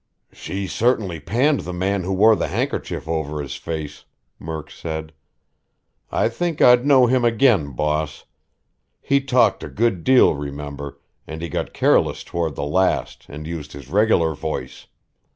"She certainly panned the man who wore the handkerchief over his face," Murk said. "I think I'd know him again, boss. He talked a good deal, remember, and he got careless toward the last and used his regular voice.